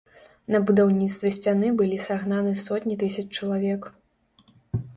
На будаўніцтва сцяны былі сагнаны сотні тысяч чалавек.